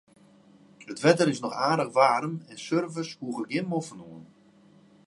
It wetter is noch aardich waarm en surfers hoege gjin moffen oan.